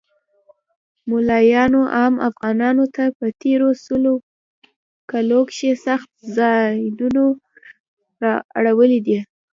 مولایانو عام افغانانو ته په تیرو سلو کلو کښی سخت ځیانونه اړولی دی